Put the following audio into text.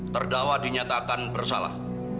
terdakwa dinyatakan bersalah